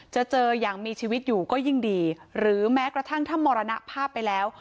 เจออย่างมีชีวิตอยู่ก็ยิ่งดีหรือแม้กระทั่งถ้ามรณภาพไปแล้ว